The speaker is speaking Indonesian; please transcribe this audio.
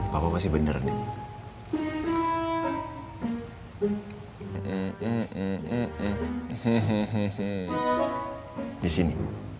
papa pasti beneran ya